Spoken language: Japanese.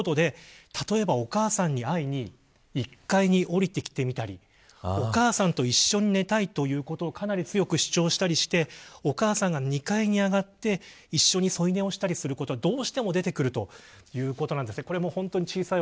例えばお母さんに会いに１階に降りてきてみたりお母さんと一緒に寝たいということをかなり強く主張したりしてお母さんが２階に上がって一緒に添い寝をすることがどうしても出てくるということです。